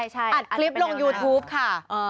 อัดคลิปลงยูทูปค่ะ